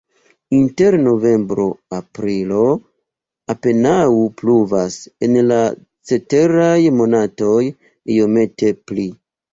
Inter novembro-aprilo apenaŭ pluvas, en la ceteraj monatoj iomete pli.